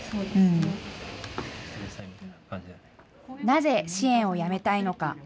なぜ支援をやめたいのか。